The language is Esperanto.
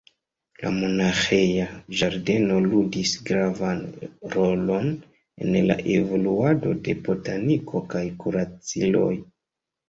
La monaĥeja ĝardeno ludis gravan rolon en la evoluado de botaniko kaj kuraciloj.